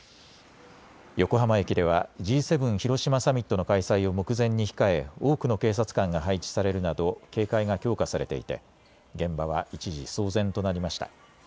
横浜駅ではＧ７広島サミットの開催を目前に控え、多くの警察官が配置されるなど警戒が強化されていて現場は一時騒然となりました。